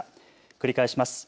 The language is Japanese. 繰り返します。